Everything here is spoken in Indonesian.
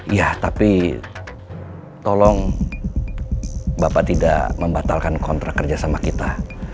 iya tapi tolong bapak tidak membatalkan kontrak kerja sama kita